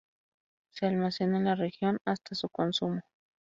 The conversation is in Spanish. Se almacena en la región hasta su consumo.